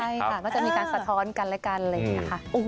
ใช่ค่ะก็จะมีการสะท้อนกันและกันอะไรอย่างนี้ค่ะ